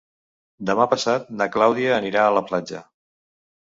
Demà passat na Clàudia anirà a la platja.